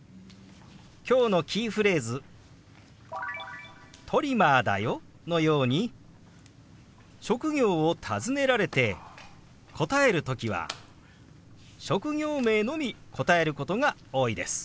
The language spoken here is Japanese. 今日のキーフレーズ「トリマーだよ」のように職業を尋ねられて答える時は職業名のみ答えることが多いです。